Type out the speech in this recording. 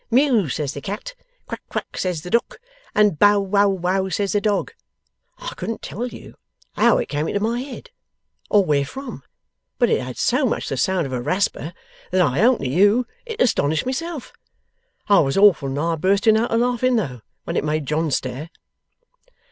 Mew says the cat, Quack quack says the duck, and Bow wow wow says the dog." I couldn't tell you how it come into my head or where from, but it had so much the sound of a rasper that I own to you it astonished myself. I was awful nigh bursting out a laughing though, when it made John stare!